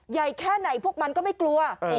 ใหญ่แค่ไหนพวกมันก็ไม่กลัว